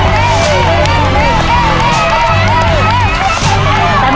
เร็วเร็วเร็ว